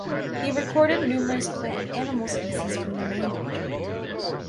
He recorded numerous plant and animal species from the Maine region.